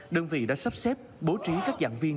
đơn vị đã sắp xếp bố trí các giảng viên